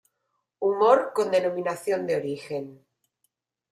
Humor con Denominación de Origen".